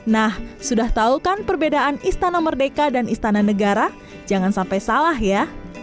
nah sudah tahu kan perbedaan istana merdeka dan istana negara jangan sampai salah ya